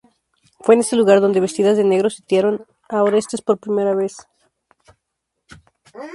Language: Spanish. Fue en este lugar donde, vestidas de negro, sitiaron a Orestes por primera vez.